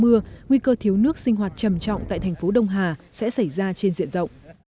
mưa nguy cơ thiếu nước sinh hoạt trầm trọng tại thành phố đông hà sẽ xảy ra trên diện rộng